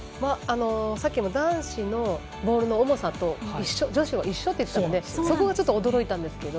さっきも男子のボールの重さと女子は一緒といっていたので驚いたんですけど。